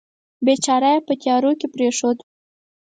بیچاره یې په تیارو کې پرېښود.